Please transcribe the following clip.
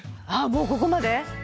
あっもうここまで？